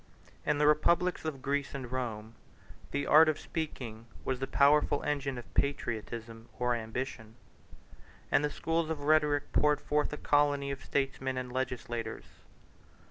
In the republics of Greece and Rome, the art of speaking was the powerful engine of patriotism or ambition; and the schools of rhetoric poured forth a colony of statesmen and legislators.